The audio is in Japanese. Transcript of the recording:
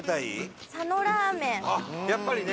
あっやっぱりね。